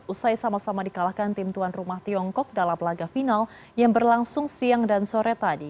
usai sama sama dikalahkan tim tuan rumah tiongkok dalam laga final yang berlangsung siang dan sore tadi